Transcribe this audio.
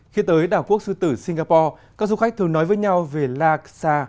khi tới đảo quốc sư tử singapore các du khách thường nói với nhau về laksa